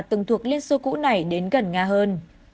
từng thuộc liên xô cũ này đến gần nga hơn